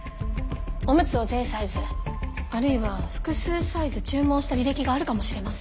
オムツを全サイズあるいは複数サイズ注文した履歴があるかもしれません。